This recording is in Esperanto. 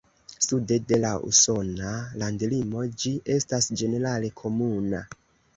Sude de la usona landlimo ĝi estas ĝenerale komuna.